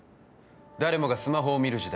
誰もがスマホを見る時代